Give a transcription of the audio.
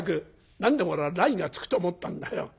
何でも俺は『らい』がつくと思ったんだよ。